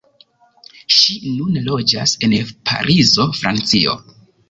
Ŝi nune loĝas en Parizo, Francio.